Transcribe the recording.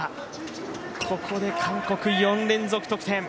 ここで韓国、４連続得点。